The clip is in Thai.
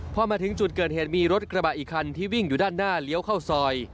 พอมาถึงจุดเกิดเหตุมีรถกระบะอีกคันที่วิ่งอยู่ด้านหน้าเลี้ยวเข้าซอย